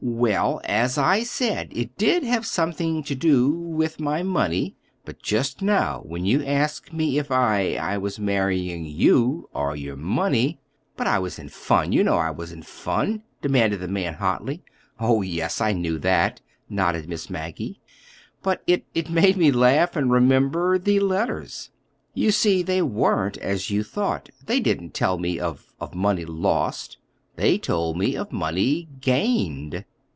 "Well, as I said, it did have something to do—with my money; but just now, when you asked me if I—I was marrying you or your money—" "But I was in fun—you know I was in fun!" defended the man hotly. "Oh, yes, I knew that," nodded Miss Maggie. "But it—it made me laugh and remember—the letters. You see, they weren't as you thought. They didn't tell me of—of money lost. They told me of money—gained."